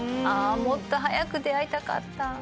あもっと早く出会いたかった